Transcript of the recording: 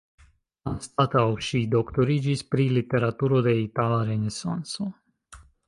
Anstataŭ ŝi doktoriĝis pri literaturo de Itala Renesanco.